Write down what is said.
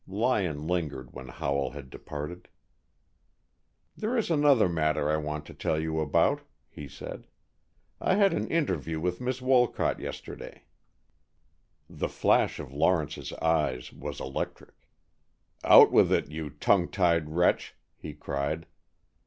Lyon lingered when Howell had departed. "There is another matter I want to tell you about," he said. "I had an interview with Miss Wolcott yesterday." The flash of Lawrence's eyes was electric. "Out with it, you tongue tied wretch," he cried.